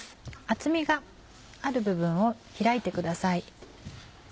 厚みがある部分を開いてください。